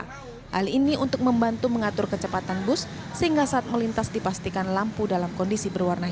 hal ini untuk membantu mengatur kecepatan bus sehingga saat melintas lampu merah dapat mendeteksi berapa lama durasi lampu merah akan menyala